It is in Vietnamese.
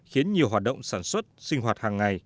khiến nhiều hoạt động sản xuất sinh hoạt hàng ngày